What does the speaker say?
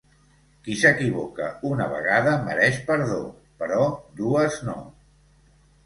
Qui s'equivoca una vegada mereix perdó, però dues no.